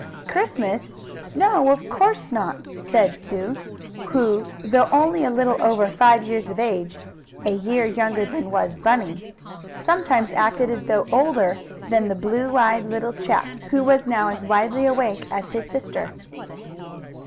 "Christmas? No, of course not!" said Sue, who, though only a little over five years of age (a year younger than was Bunny), sometimes acted as though older than the blue eyed little chap, who was now as widely awake as his sister.